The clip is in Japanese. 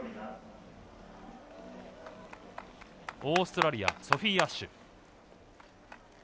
オーストラリアソフィー・アッシュ。